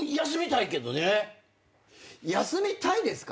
休みたいですか？